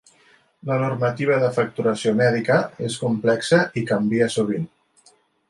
La normativa de facturació mèdica és complexa i canvia sovint.